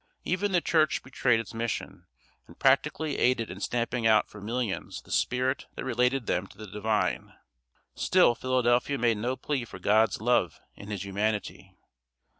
Even the Church betrayed its mission, and practically aided in stamping out from millions the spirit that related them to the Divine; still Philadelphia made no plea for God's love in his humanity.